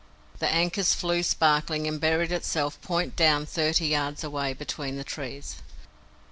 The ankus flew sparkling, and buried itself point down thirty yards away, between the trees.